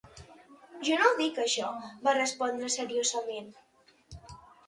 "Jo no ho dic això" va respondre seriosament.